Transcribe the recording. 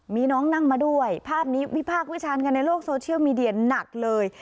มีน้องนั่งมาด้วยภาพนี้วิพากษ์วิจารณ์กันในโลกโซเชียลมีเดียหนักเลย